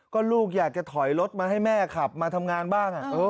ก็ลูกอยากจะถอยรถมาให้แม่ขับมาทำงานบ้าง